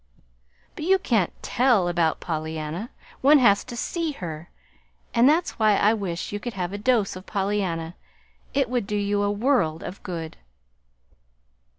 "But you can't TELL about Pollyanna. One has to SEE her. And that's why I say I wish you could have a dose of Pollyanna. It would do you a world of good."